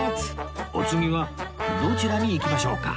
お次はどちらに行きましょうか？